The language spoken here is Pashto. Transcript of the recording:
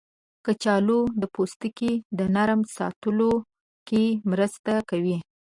کچالو د پوستکي د نرم ساتلو کې مرسته کوي.